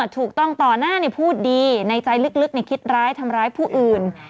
ถูกต้องต่อหน้าพูดดีในใจลึกคิดร้ายทำร้ายผู้อื่น